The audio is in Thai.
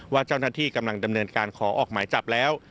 ว่าเจ้าหน้าที่กำลังดำเนินการขอออกหมายจับแล้ว